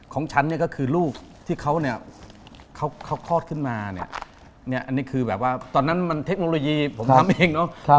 ของฉันเนี่ยก็คือลูกที่เขาเนี่ยเขาคลอดขึ้นมาเนี่ยอันนี้คือแบบว่าตอนนั้นมันเทคโนโลยีผมทำเองเนอะ